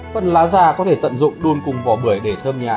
phần lá da có thể tận dụng đun cùng vỏ bưởi để thơm nhà